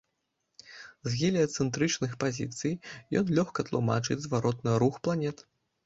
З геліяцэнтрычных пазіцый ён лёгка тлумачыць зваротны рух планет.